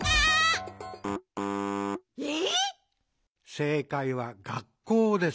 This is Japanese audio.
「せいかいは学校です」。